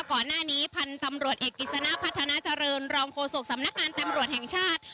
ก่อนหน้านี้พันธุ์ตำรวจเอกกิจสนะพัฒนาเจริญรองโฆษกสำนักงานตำรวจแห่งชาติ